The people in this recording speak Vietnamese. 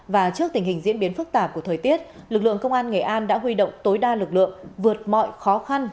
và trước tình hình diễn biến phức tạp của thời tiết lực lượng công an nghệ an đã huy động tối đa lực lượng vượt mọi khó khăn